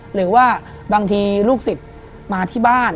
หรือว่าบางทีลูกศิษย์มาที่บ้าน